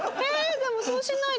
でもそうしないと。